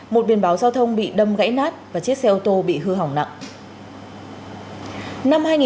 một biển báo giao thông bị đâm gãy nát và chiếc xe ô tô bị hư hỏng nặng